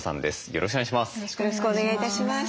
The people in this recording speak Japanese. よろしくお願いします。